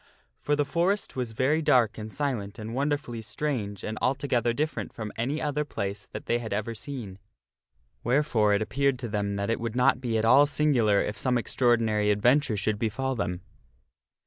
For the Forest was very dark and silent and wonderfully strange and altogether different from any other place that they had ever seen. Wherefore it appeared to them that it would not be at all singular if some extraordinary adventure should befall them.